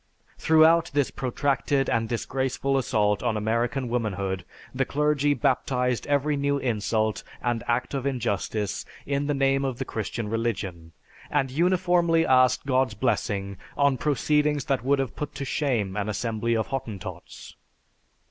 "Throughout this protracted and disgraceful assault on American womanhood the clergy baptised every new insult and act of injustice in the name of the Christian religion, and uniformly asked God's blessing on proceedings that would have put to shame an assembly of Hottentots."